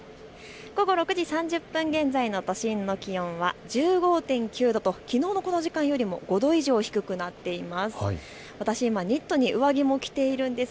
午後６時３０分現在の都心の気温は１５．９度と、きのうのこの時間よりも５度以上低くなっています。